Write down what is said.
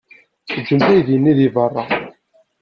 Ǧǧemt aydi-nni deg beṛṛa.